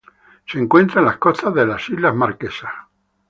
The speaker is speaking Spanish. Se encuentra en las costas de las Islas Marquesas.